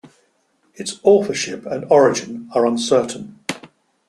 Its authorship and origin are uncertain.